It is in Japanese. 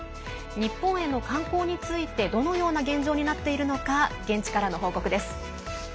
日本への観光についてどのような現状になっているのか現地からの報告です。